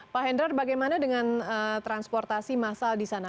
pak hendrar bagaimana dengan transportasi massal di sana